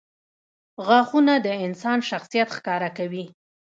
• غاښونه د انسان شخصیت ښکاره کوي.